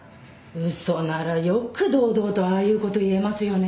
嘘ならよく堂々とああいうこと言えますよね。